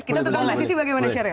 kita tukang ke sini bagaimana sheryl